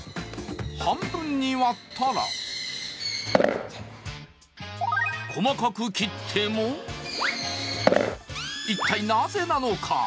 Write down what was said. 半分に割ったら細かく切っても一体、なぜなのか。